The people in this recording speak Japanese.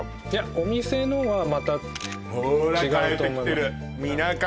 お店のはまた違うと思います